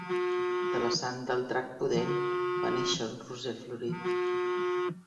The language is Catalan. De la sang del drac pudent va néixer un roser florit.